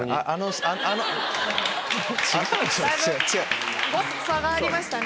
だいぶ差がありましたね。